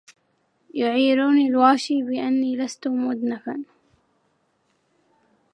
يعيرني الواشي بأن لست مدنفا